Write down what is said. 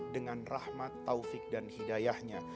dengan rahmat taufik dan hidayahnya